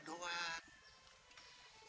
engkong tuh cuma lagi ngetes mental dia doang